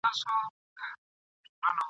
زموږ به نغري وي تش له اورونو !.